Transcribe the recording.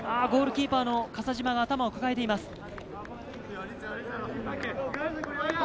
ゴールキーパーの笠島が頭を抱えています。